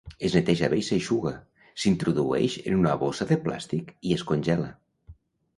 Es neteja bé i s'eixuga, s'introdueix en una bossa de plàstic i es congela.